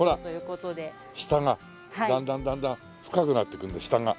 ほら下がだんだんだんだん深くなっていくんだ下が。